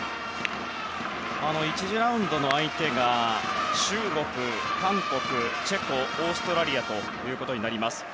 １次ラウンドの相手が中国、韓国、チェコオーストラリアということになります。